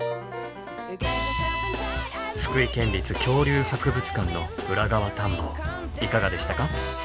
福井県立恐竜博物館の裏側探訪いかがでしたか？